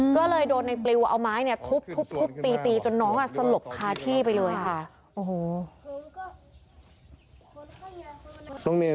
ก็เลยโดนในปลิวเอาไม้เนี่ยทุบตีตีจนน้องสลบคาที่ไปเลยค่ะ